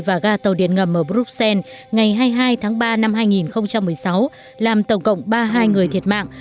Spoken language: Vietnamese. và ga tàu điện ngầm ở bruxelles ngày hai mươi hai tháng ba năm hai nghìn một mươi sáu làm tổng cộng ba mươi hai người thiệt mạng